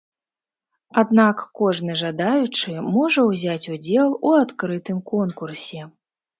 Аднак кожны жадаючы можа ўзяць удзел у адкрытым конкурсе.